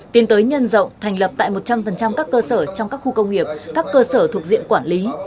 tiến tới nhân rộng thành lập tại một trăm linh các cơ sở trong các khu công nghiệp các cơ sở thuộc diện quản lý